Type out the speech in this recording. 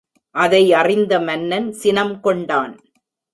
அதை அறிந்த மன்னன், சினம் கொண்டான்.